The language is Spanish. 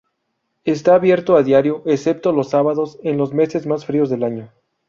Está abierto a diario excepto los sábados en los meses más fríos del año.